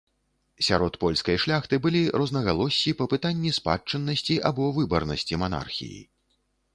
Сярод польскай шляхты былі рознагалоссі па пытанні спадчыннасці або выбарнасці манархіі.